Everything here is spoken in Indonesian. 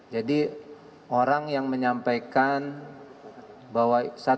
jadi orang yang menyampaikan bahwa ini adalah kejadian tersebut